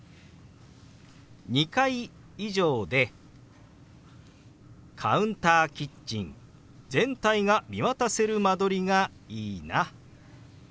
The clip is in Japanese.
「２階以上でカウンターキッチン全体が見渡せる間取りがいいな」。